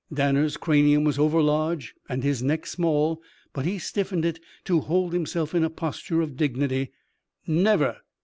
Danner's cranium was overlarge and his neck small; but he stiffened it to hold himself in a posture of dignity. "Never."